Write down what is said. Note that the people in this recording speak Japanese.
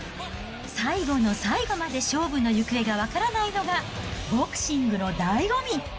最後の最後まで勝負の行方が分からないのが、ボクシングのだいご味。